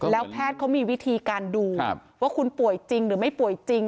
แล้วแพทย์เขามีวิธีการดูว่าคุณป่วยจริงหรือไม่ป่วยจริง